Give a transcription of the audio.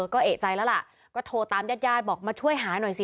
ก็เอกใจแล้วล่ะก็โทรตามญาติญาติบอกมาช่วยหาหน่อยสิ